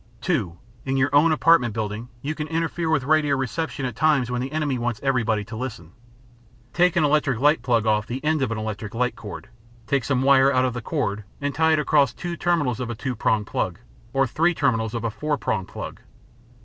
(2) In your own apartment building, you can interfere with radio reception at times when the enemy wants everybody to listen. Take an electric light plug off the end of an electric light cord; take some wire out of the cord and tie it across two terminals of a two prong plug or three terminals of a four prong plug.